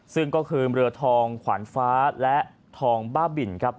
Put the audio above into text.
ซึ่งก็คือเรือทองขวานฟ้าและทองบ้าบินครับ